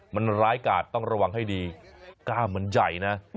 มันร้ายกาดต้องระวังให้ดีก้ามมันใหญ่นะ